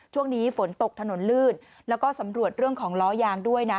ช่วงนี้ฝนตกถนนลื่นแล้วก็สำรวจเรื่องของล้อยางด้วยนะ